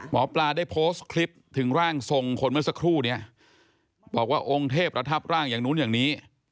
หมอปลาได้โพสต์คลิปถึงร่างทรงคนเมื่อสักครู่นี้บอกว่าองค์เทพประทับร่างอย่างนู้นอย่างนี้